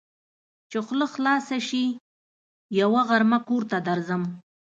چې خوله خلاصه شي؛ يوه غرمه کور ته درځم.